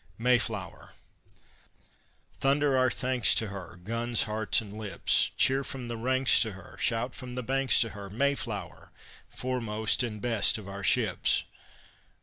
MAYFLOWER Thunder our thanks to her guns, hearts, and lips! Cheer from the ranks to her, Shout from the banks to her, Mayflower! Foremost and best of our ships.